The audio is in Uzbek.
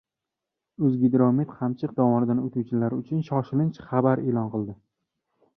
O‘zgidromet Qamchiq dovonidan o‘tuvchilar uchun shoshilinch xabar e’lon qildi